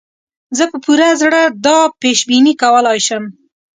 زه په پوره زړه دا پېش بیني کولای شم.